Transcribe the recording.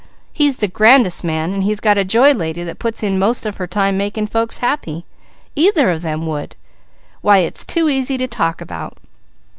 He's the grandest man and he's got a Joy Lady that puts in most of her time making folks happy. Either of them would! Why it's too easy to talk about!